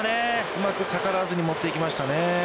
うまく逆らわずに持っていきましたね。